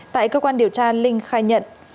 tại cơ quan điều tra linh khai nhận